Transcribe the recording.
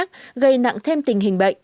các bệnh khác gây nặng thêm tình hình bệnh